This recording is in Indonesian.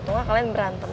tunggal kalian berantem